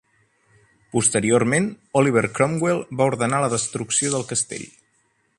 Posteriorment, Oliver Cromwell va ordenar la destrucció del castell.